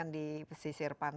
terus ikut senyum